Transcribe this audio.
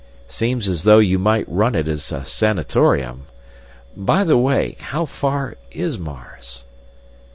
"Seems as though you might run it as a sanatorium. By the way, how far is Mars?"